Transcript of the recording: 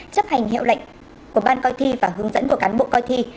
chấp hành hiệu lệnh của ban coi thi và hướng dẫn của cán bộ coi thi